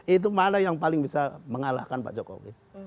itu mana yang paling bisa mengalahkan pak jokowi